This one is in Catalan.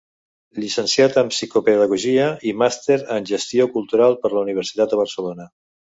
Llicenciat en psicopedagogia i màster en gestió cultural per la Universitat de Barcelona.